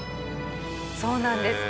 そうなんです。